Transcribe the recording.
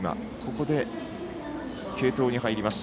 ここで、継投に入ります。